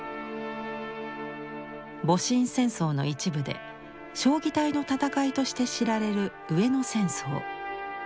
戊辰戦争の一部で彰義隊の戦いとして知られる上野戦争。